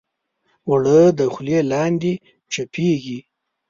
اوړه د خولې لاندې چپېږي